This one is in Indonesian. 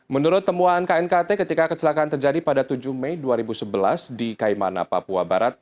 menurut temuan knkt ketika kecelakaan terjadi pada tujuh mei dua ribu sebelas di kaimana papua barat